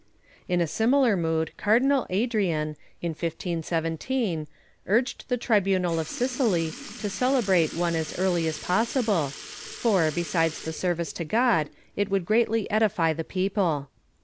In a similar mood Cardinal Adrian, in 1517, urged the tribimal of Sicily to celebrate one as early as possible for, besides the service to God, it would greatly edify the people.''